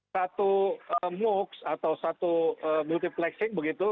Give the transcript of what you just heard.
satu mooks atau satu multiplexing begitu